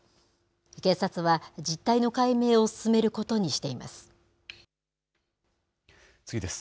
警察は、実態の解明を進めることにしています。